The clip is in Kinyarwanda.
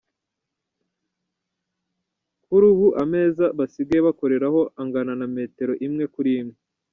Kuri ubu ameza basigaye bakoreraho angara na metero imwe kuri imwe.